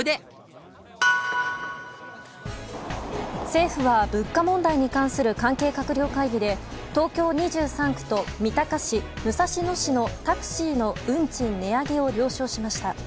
政府は物価問題に関する関係閣僚会議で東京２３区と三鷹市、武蔵野市のタクシーの運賃値上げを了承しました。